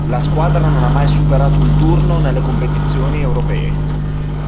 La squadra non ha mai superato un turno nelle competizioni europee.